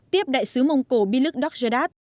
tiếp đại sứ mông cổ biluk dokjadat